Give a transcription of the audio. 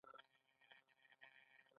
هغې په پای کې د افسوس سره وویل